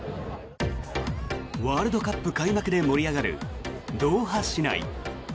ワールドカップ開幕で盛り上がるドーハ市内。